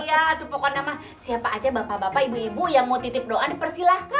iya itu pokoknya nama siapa aja bapak bapak ibu ibu yang mau titip doa dipersilahkan